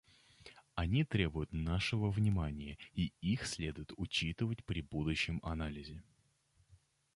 Они требуют нашего внимания, и их следует учитывать при будущем анализе.